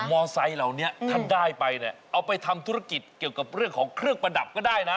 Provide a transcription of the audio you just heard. อไซค์เหล่านี้ท่านได้ไปเนี่ยเอาไปทำธุรกิจเกี่ยวกับเรื่องของเครื่องประดับก็ได้นะ